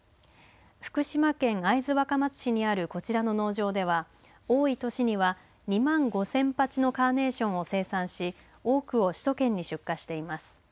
福島県会津若松市にあるこちらの農場では多い年には２万５０００鉢のカーネーションを生産し多くを首都圏に出荷しています。